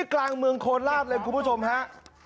นี่การเมืองโคนราษเลยคุณผู้ชมครับ